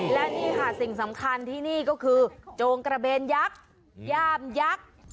และนี่ค่ะสิ่งสำคัญที่นี่ก็คือโจงกระเบนยักษ์ย่ามยักษ์